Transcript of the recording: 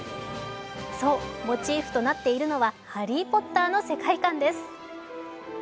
そう、モチーフとなっているのは「ハリー・ポッター」の世界観です。